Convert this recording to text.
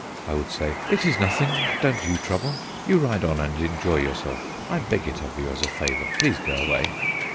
I would say: "It is nothing; don't you trouble. You ride on, and enjoy yourself, I beg it of you as a favour; please go away."